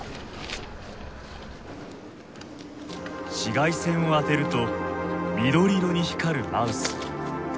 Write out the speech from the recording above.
紫外線を当てると緑色に光るマウス。